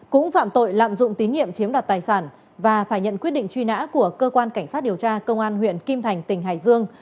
cũng phạm tội lạm dụng tín nhiệm chiếm đoạt tài sản và phải nhận quyết định truy nã của cơ quan cảnh sát điều tra công an huyện kim thành tỉnh hải dương